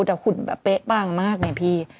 แต่หุ่นแบบเป๊ะบางมากไงพี่